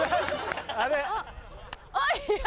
あれ？